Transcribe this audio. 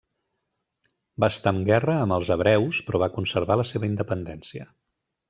Va estar amb guerra amb els hebreus però va conservar la seva independència.